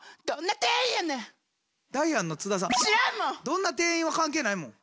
「どんな店員」は関係ないもん。